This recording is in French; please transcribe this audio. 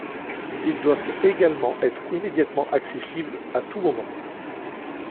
Ils doivent également être immédiatement accessibles à tout moment.